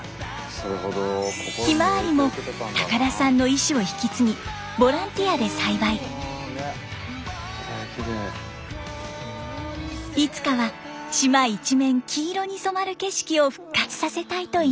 ひまわりも高田さんの意思を引き継ぎいつかは島一面黄色に染まる景色を復活させたいといいます。